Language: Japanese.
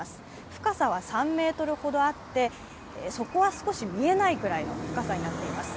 深さは３ｍほどあって底は少し見えないくらいの深さになっています。